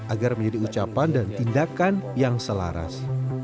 agar menjadi ucapan dan tindakan yang selaras